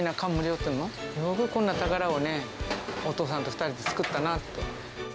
よくこんな宝をね、お父さんと２人で作ったなって。